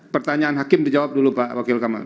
pertanyaan hakim dijawab dulu pak wakil kamal